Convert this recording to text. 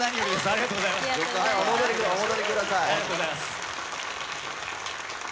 ありがとうございます